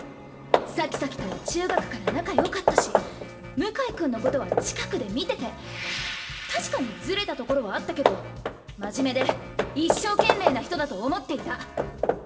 サキサキとは中学から仲よかったし向井君のことは近くで見てて確かにずれたところはあったけど真面目で一生懸命な人だと思っていた。